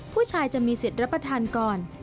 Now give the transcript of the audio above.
ผู้ชายจะมีสิทธิ์รับประทานก่อน